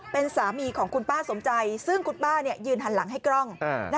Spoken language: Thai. เป็นสามีของคุณป้าสมใจซึ่งคุณป้ายืนหันหลังให้กล้อง